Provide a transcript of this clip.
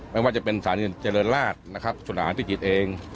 ไม่ว่าจะเป็นสาริญเจริญราชส่วนอาหารที่กิจเอง